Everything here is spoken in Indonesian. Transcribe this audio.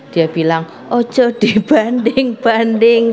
dia bilang oh jadi banding banding